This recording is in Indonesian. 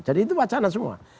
jadi itu wacana semua